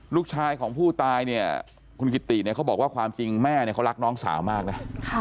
ลูกชายของผู้ตายเนี่ยคุณกิติเนี่ยเขาบอกว่าความจริงแม่เนี่ยเขารักน้องสาวมากนะ